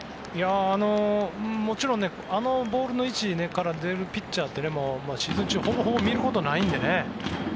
もちろんあのボールの位置から出るピッチャーってシーズン中ほぼほぼ見ることはないのでね。